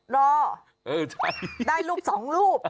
ได้รูป๒รูป